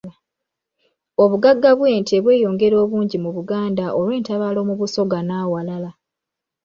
Obugagga bw'ente bweyongera obungi mu Buganda olw'entabaalo mu Busoga n'awalala.